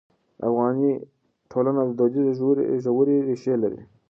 افغاني ټولنه دودیزې ژورې ریښې لري.